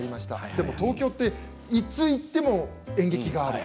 でも東京っていつ行っても演劇がある。